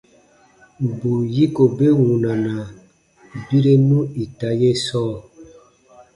Bù yiko be wunana birenu ita ye sɔɔ.